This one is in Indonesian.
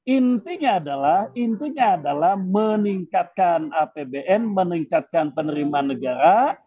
intinya adalah intinya adalah meningkatkan apbn meningkatkan penerimaan negara